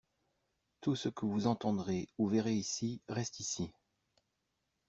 tout ce que vous entendrez ou verrez ici reste ici.